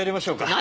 何？